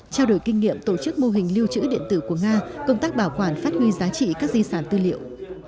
trao đổi kinh nghiệm tổ chức mô hình lưu trữ điện tử của nga công tác bảo quản phát huy giá trị các di sản tư liệu